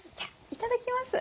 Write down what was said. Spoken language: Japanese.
いただきます。